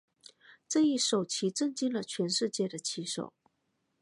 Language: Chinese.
这一手棋震惊了全世界的棋手。